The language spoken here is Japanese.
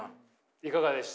いかがでした？